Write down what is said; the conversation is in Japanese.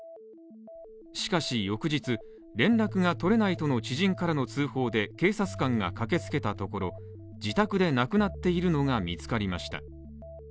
しかし翌日、連絡が取れないとの知人からの通報で警察官が駆けつけたところ、自宅で亡くなっているのが見つかりました。